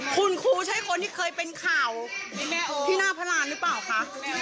คุณครูใช่คนที่เคยเป็นข่าวที่หน้าพระรานหรือเปล่าคะ